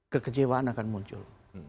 kekecewaan akan muncul